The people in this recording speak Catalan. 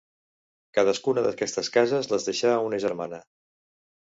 Cadascuna d'aquestes cases les deixà a una germana.